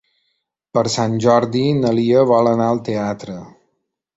Per Sant Jordi na Lia vol anar al teatre.